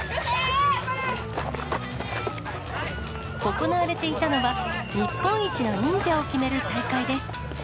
行われていたのは、日本一の忍者を決める大会です。